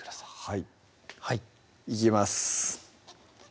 はいいきます